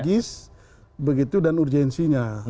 logis begitu dan urgensinya